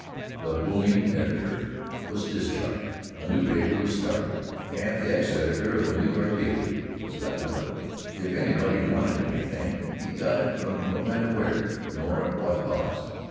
The "booming" editor was discharged. A new paper was started, and the ex editor of a New York Daily was got to run it. If anybody wanted anything, he got it from no matter where, nor at what cost.